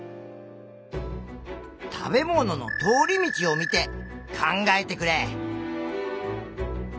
食べ物の通り道を見て考えてくれ！